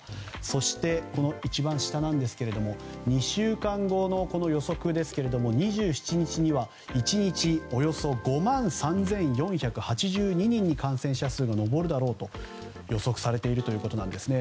そして、一番下の２週間後の予測ですが２７日には、１日およそ５万３４８２人に感染者数が上るだろうと予測されているということです。